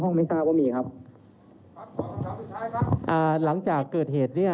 เรามีการปิดบันทึกจับกลุ่มเขาหรือหลังเกิดเหตุแล้วเนี่ย